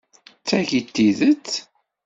D tagi i d tidett?